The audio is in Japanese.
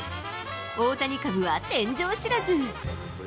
大谷株は天井知らず。